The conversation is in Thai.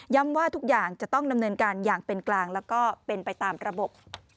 ว่าทุกอย่างจะต้องดำเนินการอย่างเป็นกลางแล้วก็เป็นไปตามระบบ